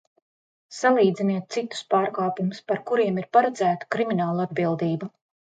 Salīdziniet citus pārkāpumus, par kuriem ir paredzēta kriminālatbildība!